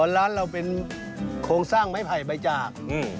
ร้านเราเป็นโครงสร้างไม้ไผ่ใบจาก